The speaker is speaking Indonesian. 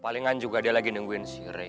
palingan juga dia lagi nungguin si rey